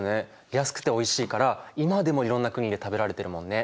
安くておいしいから今でもいろんな国で食べられてるもんね。